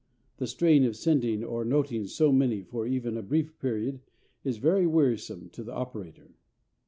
The strain of sending or noting so many for even a brief period is very wearisome to the operator.